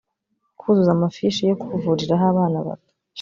kuzuza amafishi yo kuvuriraho abana bato